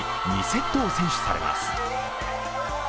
２セットを先取されます。